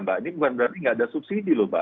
ini bukan berarti tidak ada subsidi loh mbak